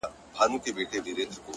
هره تجربه د درک نوی رنګ لري